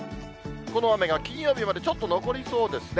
この雨が金曜日までちょっと残りそうですね。